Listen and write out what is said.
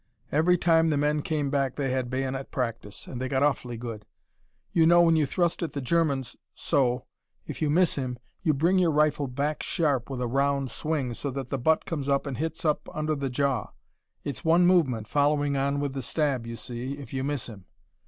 Every time the men came back they had bayonet practice, and they got awfully good. You know when you thrust at the Germans so if you miss him, you bring your rifle back sharp, with a round swing, so that the butt comes up and hits up under the jaw. It's one movement, following on with the stab, you see, if you miss him.